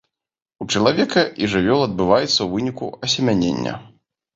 У чалавека і жывёл адбываецца ў выніку асемянення.